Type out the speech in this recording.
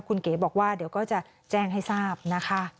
คุณเก๋บอกว่าเดี๋ยวก็จะแจ้งให้ทราบนะคะ